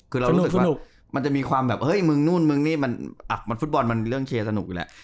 คือเรารู้สึกว่ามันจะมีความแบบฟุตบอลมันเรื่องเชียร์สนุกอยู่แล้ว